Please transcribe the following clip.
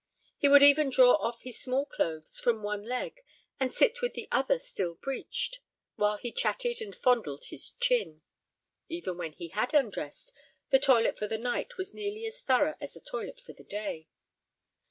He would even draw off his small clothes from one leg and sit with the other still breeched, while he chatted and fondled his chin. Even when he had undressed, the toilet for the night was nearly as thorough as the toilet for the day.